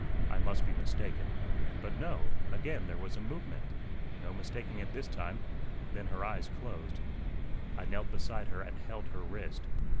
I must be mistaken; but no, again there was a movement no mistaking it this time then her eyes closed. I knelt beside her and held her wrist.